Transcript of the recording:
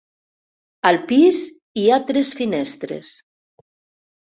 Al pis, hi ha tres finestres.